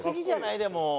でも。